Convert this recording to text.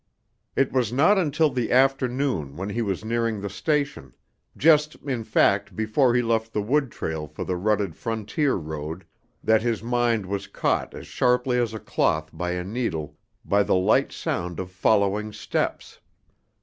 It was not until the afternoon when he was nearing the station just, in fact, before he left the wood trail for the rutted, frontier road that his mind was caught as sharply as a cloth by a needle, by the light sound of following steps.